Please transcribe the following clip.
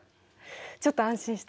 ちょっと安心した。